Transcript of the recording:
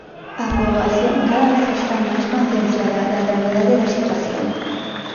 A poboación cada vez está máis concienciada da gravidade da situación.